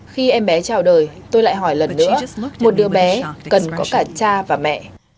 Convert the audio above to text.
khi em bé chào đời tôi lại hỏi lần nữa một đứa bé cần có cả cha và mẹ